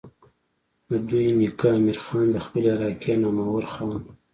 د دوي نيکه امير خان د خپلې علاقې نامور خان وو